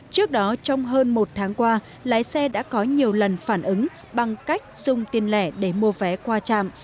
trước đó trong hơn một tháng qua lái xe đã có nhiều lần phản ứng bằng cách dùng tiền lẻ để mua vé qua trạm